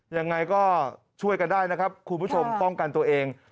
ยังไงก็ช่วยกันได้นะครับคุณผู้ชมป้องกันตัวเอง